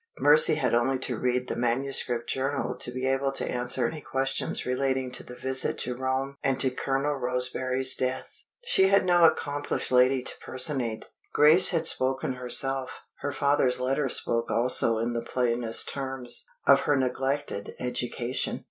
Mercy had only to read the manuscript journal to be able to answer any questions relating to the visit to Rome and to Colonel Roseberry's death. She had no accomplished lady to personate: Grace had spoken herself her father's letter spoke also in the plainest terms of her neglected education.